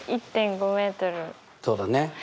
そうだね。